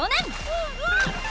うわっ！